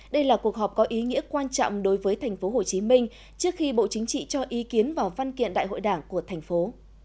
đây là cuộc họp có ý nghĩa quan trọng đối với thành phố hồ chí minh trước khi bộ chính trị cho ý kiến vào văn kiện đại hội đảng của thành phố